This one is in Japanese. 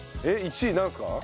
１位なんですか？